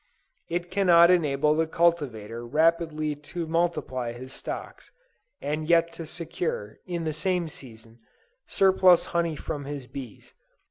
It cannot enable the cultivator rapidly to multiply his stocks, and yet to secure, the same season, surplus honey from his bees.